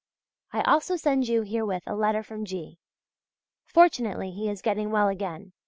I also send you herewith a letter from G.; fortunately he is getting well again.